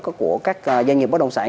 của các doanh nghiệp bất đồng sản